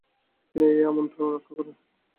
তিনি এই আমন্ত্রণ রক্ষা করেন।